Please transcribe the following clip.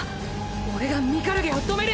俺がミカルゲを止める！